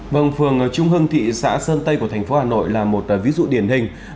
vâng phường trung hưng thị xã sơn tây của thành phố hà nội là một ví dụ điển hình